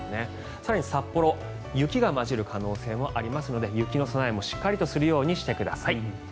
更に札幌は雪が交じる可能性もありますので雪の備えもしっかりとするようにしてください。